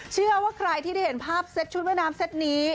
เชื่อว่าใครที่ได้เห็นภาพเซ็ตชุดว่ายน้ำเซ็ตนี้